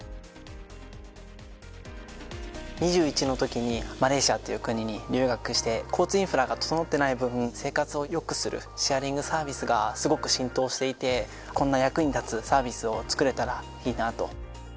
２１の時にマレーシアっていう国に留学して交通インフラが整ってない分生活を良くするシェアリングサービスがすごく浸透していてこんな役に立つサービスを作れたらいいなと。